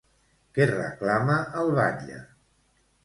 Què reclama el batlle?